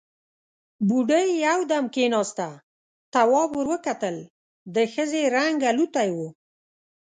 بوډۍ يودم کېناسته، تواب ور وکتل، د ښځې رنګ الوتی و.